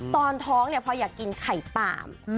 ตอนท้องเนี่ยพออยากกินไข่ป่าม